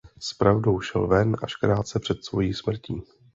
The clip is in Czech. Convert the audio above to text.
S pravdou šel ven až krátce před svojí smrtí.